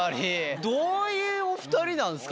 どういうお二人なんですか？